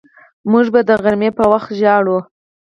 موږ به د غرمې په وخت ژاړو